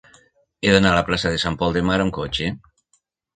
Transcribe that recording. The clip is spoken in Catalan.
He d'anar a la plaça de Sant Pol de Mar amb cotxe.